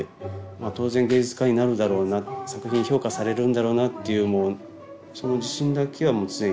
まあ当然芸術家になるだろうな作品評価されるんだろうなっていうその自信だけは常にあって。